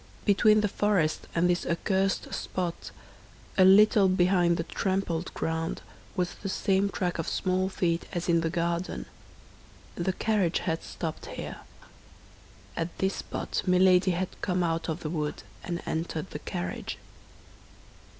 Between the forest and this accursed spot, a little behind the trampled ground, was the same track of small feet as in the garden; the carriage had stopped here. At this spot Milady had come out of the wood, and entered the carriage.